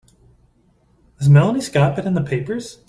Has Melanie Scott been in the papers?